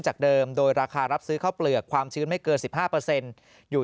จากเดิมโดยราคารับซื้อข้าวเปลือกความชื้นไม่เกิน๑๕อยู่